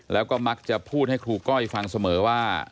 แล้วก็มักจะพูดให้ครูก้อยฟังเสมอว่า